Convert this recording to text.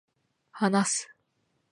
話す、